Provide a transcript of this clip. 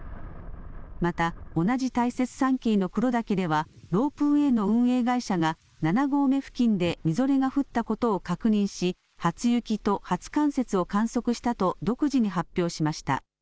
また同じ大雪山系の黒岳ではロープウエーの運営会社が７合目付近でみぞれが降ったことを確認し初雪と初冠雪を観測したと独自に発表しました。